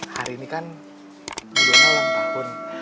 hari ini kan bu dona ulang tahun